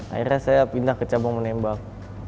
akhirnya saya pindah ke cabang menembak